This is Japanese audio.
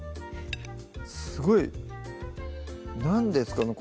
すごい何ですかね